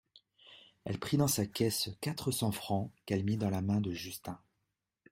Elle prit dans sa caisse quatre cents francs qu'elle mit dans la main de Justin.